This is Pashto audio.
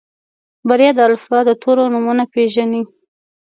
بريا د الفبا د تورو نومونه پېژني.